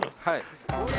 はい。